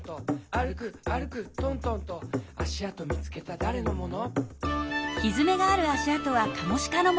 「あるくあるくとんとんと」「あしあとみつけただれのもの？」